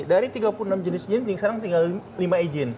dari tiga puluh enam jenis izin sekarang tinggal lima izin